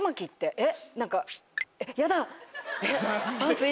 えっ。